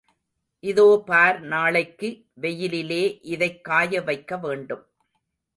இதோ பார் நாளைக்கு வெயிலிலே இதைக் காயவைக்க வேண்டும்.